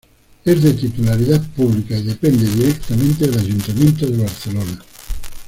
Es de titularidad pública y depende directamente del Ayuntamiento de Barcelona.